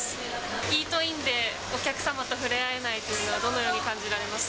イートインでお客様と触れ合えないというのはどのように感じられますか。